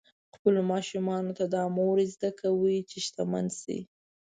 خپلو ماشومانو ته دا مه ور زده کوئ چې شتمن شي.